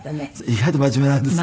意外と真面目なんですよ。